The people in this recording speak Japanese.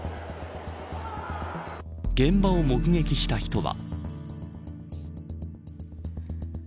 現場を目撃した人は。